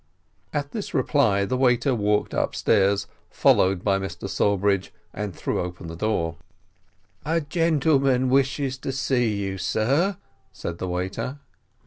At this reply the waiter walked upstairs, followed by Mr Sawbridge, and threw open the door. "A gentleman wishes to see you, sir," said the waiter.